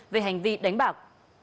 về hành vi đánh bạc